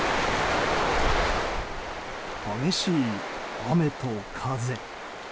激しい雨と風。